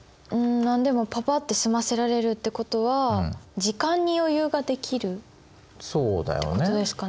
でもパパッて済ませられるってことは時間に余裕ができることですかね。